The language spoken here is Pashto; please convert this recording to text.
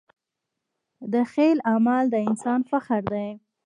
د خیر عمل د انسان فخر دی.